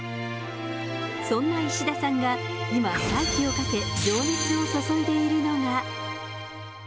そんな石田さんが今、再起をかけ、情熱を注いでいるのが。